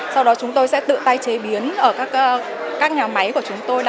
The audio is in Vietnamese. sau đó chúng tôi sẽ tự tay chế biến ở các nhà máy của chúng tôi